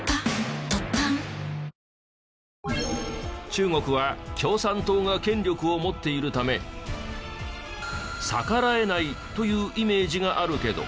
中国は共産党が権力を持っているため逆らえないというイメージがあるけど。